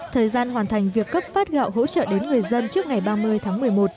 thời gian hoàn thành việc cấp phát gạo hỗ trợ đến người dân trước ngày ba mươi tháng một mươi một